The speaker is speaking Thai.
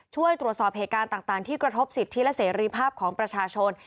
ช่วยตรวจสอบเหตุการณ์ต่างที่กระทบสิทธิและเสรีภาพของประชาชน